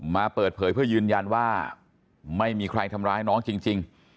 มาเปิดเผยเพื่อยืนยันว่าไม่มีใครทำร้ายน้องจริง